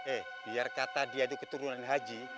eh biar kata dia itu keturunan haji